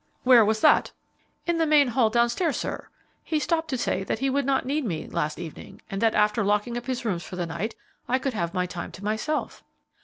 "Where was that?" "In the main hall down stairs, sir. He stopped me to say that he would not need me last evening, and that after locking up his rooms for the night I could have my time to myself."